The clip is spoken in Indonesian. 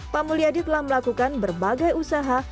pak mulyadi telah melakukan berbagai usaha